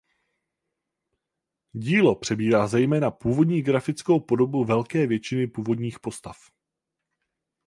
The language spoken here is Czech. Dílo přebírá zejména původní grafickou podobu velké většiny původních postav.